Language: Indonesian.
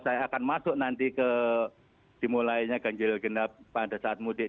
maksudnya saya sudah sudah bisa masuk ke dimulainya ganjil genap pada saat mudiknya